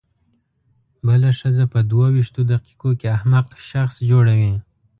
بله ښځه په دوه وېشتو دقیقو کې احمق شخص جوړوي.